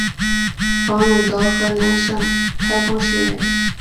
王陇德河南省开封市人。